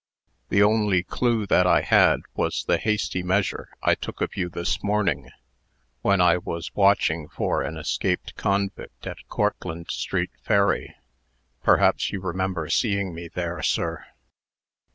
The only clue that I had, was the hasty measure I took of you this morning, when I was watching for an escaped convict at Cortlandt street ferry. Perhaps you remember seeing me there, sir?"